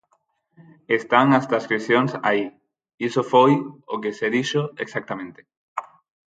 Están as transcricións aí, iso foi o que se dixo exactamente.